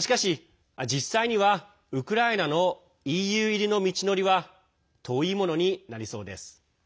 しかし、実際にはウクライナのＥＵ入りの道のりは遠いものになりそうです。